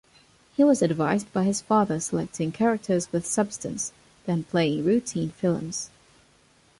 He was advised by his father selecting characters with substance, than playing routine films.